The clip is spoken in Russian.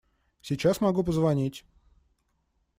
Сейчас могу позвонить.